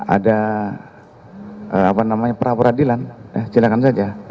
ada apa namanya perapuradilan silakan saja